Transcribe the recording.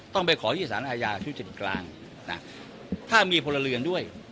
ต้องไปขอที่สารอาญาทุจริตกลางนะถ้ามีพลเรือนด้วย